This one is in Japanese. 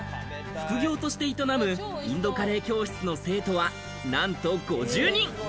副業として営むインドカレー教室の生徒はなんと５０人。